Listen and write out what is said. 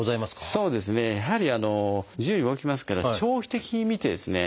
そうですねやはり自由に動きますから長期的に見てですね